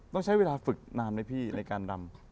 ต้องใช้เวลาฝึกนานไหมพี่ในการดำ